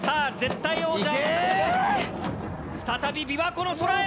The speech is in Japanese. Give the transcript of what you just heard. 再び琵琶湖の空へ！